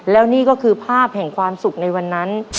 แล้วนี่ก็คือภาพแห่งความสุขในวันนั้น